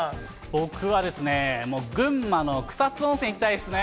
僕はですね、群馬の草津温泉行きたいですね。